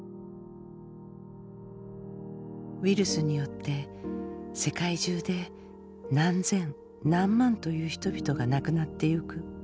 ウイルスによって世界中で何千何万という人々が亡くなってゆく。